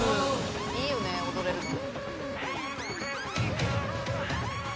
「いいよね踊れるの」